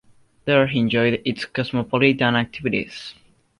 There he enjoyed its cosmopolitan activities.